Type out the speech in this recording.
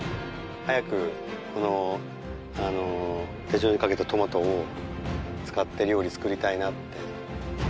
早くこの手塩にかけたトマトを使って料理作りたいなって。